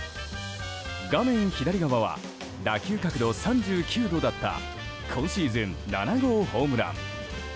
画面左側は打球角度３９度だった今シーズン７号ホームラン。